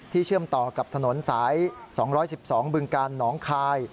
ที่เชื่อมต่อกับถนนสายสองร้อยสิบสองบึงกาลหนองคาย